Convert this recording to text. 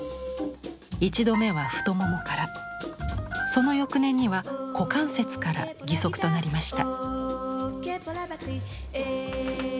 一度目は太ももからその翌年には股関節から義足となりました。